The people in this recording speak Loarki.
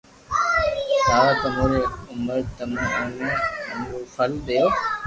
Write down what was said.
سآوا تموري ھاري عمر تمو اوني من رو فل ديو